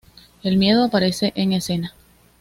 El miedo aparece en escena.